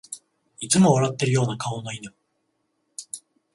いつも笑ってるような顔の犬